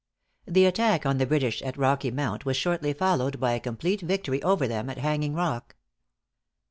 The attack on the British at Rocky Mount was shortly followed by a complete victory over them at Hanging Rock.